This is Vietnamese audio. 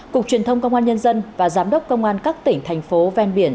cục truyền thông công an nhân dân và giám đốc công an các tỉnh thành phố ven biển